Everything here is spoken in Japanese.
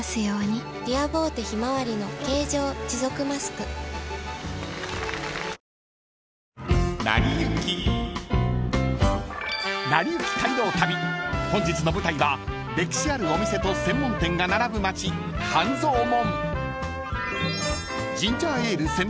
トランシーノの最新美白美容液［『なりゆき街道旅』本日の舞台は歴史あるお店と専門店が並ぶ街半蔵門］